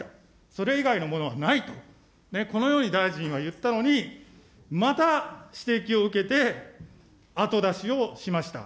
それ以外のものはないと、このように大臣は言ったのに、また、指摘を受けて、後出しをしました。